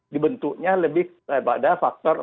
dibentuknya lebih pada faktor